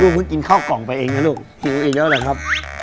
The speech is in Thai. เพิ่งกินข้าวกล่องไปเองนะลูกหิวอีกแล้วเหรอครับ